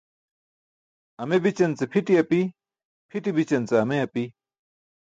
Ame bićance ce pʰiṭi api, pʰiṭi bićance ce ame api.